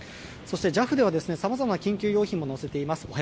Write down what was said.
そしてＪＡＦではさまざまな緊急用品を載せています。